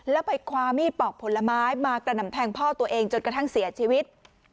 แล้วไปคว้ามีดปอกผลไม้มากระหน่ำแทงพ่อตัวเองจนกระทั่งเสียชีวิต